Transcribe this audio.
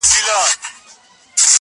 خو نارې سوې چي بم ټوله ورځ ویده وي-